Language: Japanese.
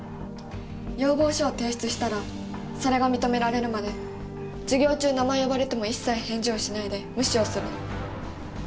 要望書を提出したらそれが認められるまで授業中名前を呼ばれても一切返事をしないで無視をするの。